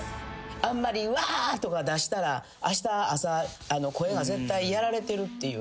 あんまり「わ！」とか出したらあした朝声が絶対やられてるっていう。